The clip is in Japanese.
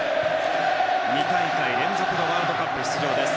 ２大会連続のワールドカップ出場です。